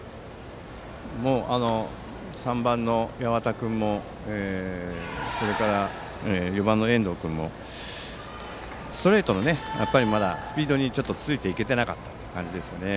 ３番の八幡君もそれから４番の遠藤君もまだストレートのスピードについていけなかった感じですね。